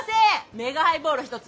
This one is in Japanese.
メガハイボール１つ。